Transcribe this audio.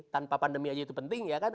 tanpa pandemi aja itu penting ya kan